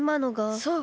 そう！